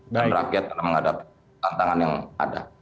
dan rakyat akan menghadapi tantangan yang ada